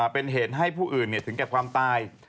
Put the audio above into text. เป็นเหตุให้ผู้อื่นถึงแก่ความตาย